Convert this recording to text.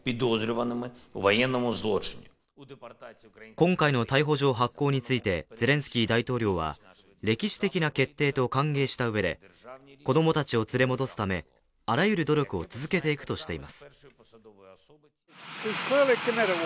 今回の逮捕状発行についてゼレンスキー大統領は歴史的な決定と歓迎したうえで、子どもたちを連れ戻すため、あらゆる努力を続けていくとしています。